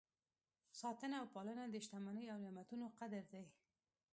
ساتنه او پالنه د شتمنۍ او نعمتونو قدر دی.